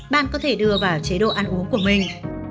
bạn có thể đưa vào chế độ ăn uống của mình